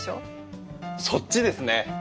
そっちですね